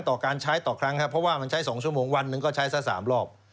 ต่อการใช้ต่อครั้งครับเพราะว่ามันใช้๒ชั่วโมงวันหนึ่งก็ใช้สัก๓รอบ